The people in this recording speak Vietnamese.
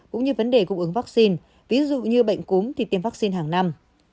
cũng như vấn đề cung ứng vaccine ví dụ như bệnh cúm thì tiêm vaccine hàng năm